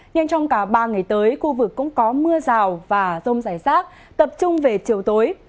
nhưng trong cả ba ngày tới khu vực cũng có mưa rào và rông rải rác tập trung về chiều tối